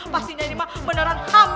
pastinya ini mak beneran hamdun